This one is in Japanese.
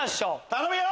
頼むよ！